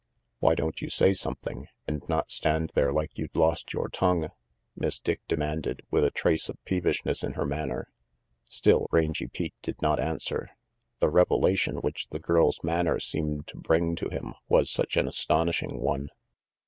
"Why don't you say something, and not stand there like you'd lost your tongue?" Miss Dick demanded, with a trace of peevishness in her manner Still Rangy Pete did not answer. The revelation which the girl's manner seemed to bring to him was such an astonishing one.